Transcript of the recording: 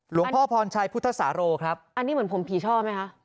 หลวงพ่อพรชัยพุทธศาโรครับอันนี้เหมือนผมผีช่อไหมคะ